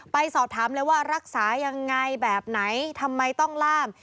ไปสอบถามเลยว่ารักษายังไงแบบไหนทำไมต้องล่าม